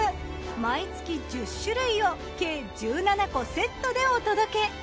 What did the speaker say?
毎月１０種類を計１７個セットでお届け！